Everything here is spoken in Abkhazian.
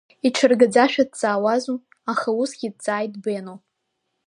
Иҽыргаӡашәа дҵаауазу, аха усгьы дҵааит Бено.